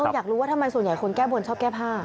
อยากรู้ว่าทำไมส่วนใหญ่คนแก้บนชอบแก้ผ้า